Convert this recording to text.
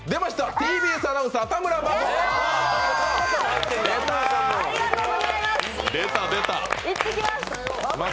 ＴＢＳアナウンサー田村真子。